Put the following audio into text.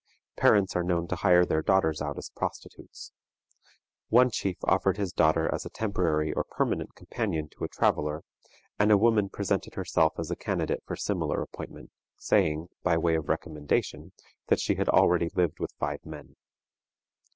Parents are known to hire their daughters out as prostitutes. One chief offered his daughter as a temporary or permanent companion to a traveler, and a woman presented herself as a candidate for a similar appointment, saying, by way of recommendation, that she had already lived with five men.